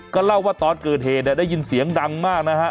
ก็เล่าว่าตอนเกิดเหตุเนี่ยได้ยินเสียงดังมากนะฮะ